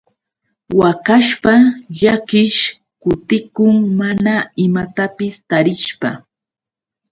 Waqashpa llakiish kutikun mana imatapis tarishpa.